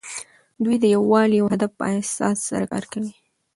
دوی د یووالي او هدف په احساس سره کار کوي.